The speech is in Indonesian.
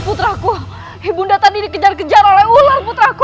putraku ibu nda tadi dikejar kejar oleh ular putraku